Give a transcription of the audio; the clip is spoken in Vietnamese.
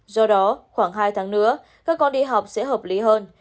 do đó khoảng hai tháng nữa các con đi học sẽ hợp lý hơn